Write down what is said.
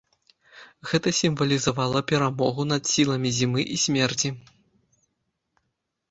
Гэта сімвалізавала перамогу над сіламі зімы і смерці.